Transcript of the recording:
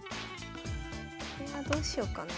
これはどうしよっかな。